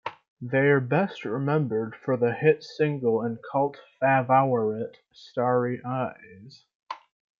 They are best remembered for the hit single and cult favourite "Starry Eyes".